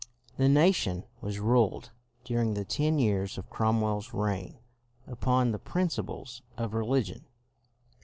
The nation was ruled, during the ten years of Cromwell's reign, upon the principles of religion.